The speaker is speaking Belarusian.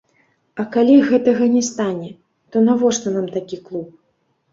А калі гэтага не стане, то навошта нам такі клуб?